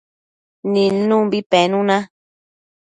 nidnumbi penuna